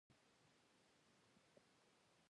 د دې بزرګ نوم مسعود غازي و چې هغه ته یې بلنه ورکړه.